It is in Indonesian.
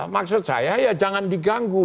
maksud saya jangan diganggu